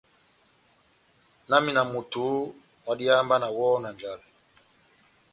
Múna wami na moto oooh, ohádiháha mba nawɔhɔ na njale !